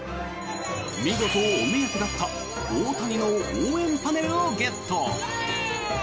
見事、お目当てだった大谷の応援パネルをゲット。